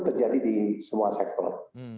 terjadi di semua sektor